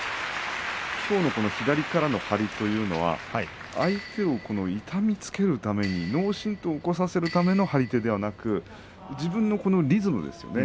きょうの左からの張りというのは相手を痛めつけるため脳震とうを起こさせるための張り手ではなく自分のリズムですね。